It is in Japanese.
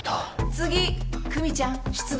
次久実ちゃん出動。